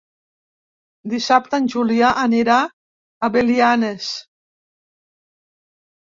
Dissabte en Julià anirà a Belianes.